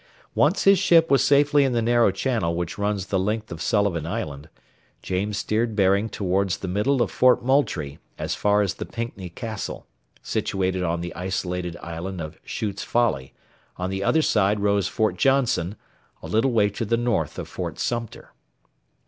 Once his ship was safely in the narrow channel which runs the length of Sullivan Island, James steered bearing towards the middle of Fort Moultrie as far as the Pickney Castle, situated on the isolated island of Shute's Folly; on the other side rose Fort Johnson, a little way to the north of Fort Sumter.